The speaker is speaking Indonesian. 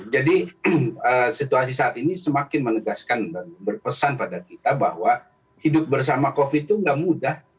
jadi situasi saat ini semakin menegaskan dan berpesan pada kita bahwa hidup bersama covid itu tidak mudah